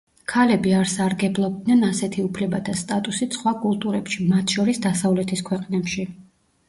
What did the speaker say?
ქალები არ სარგებლობდნენ ასეთი უფლებათა სტატუსით სხვა კულტურებში, მათ შორის დასავლეთის ქვეყნებში.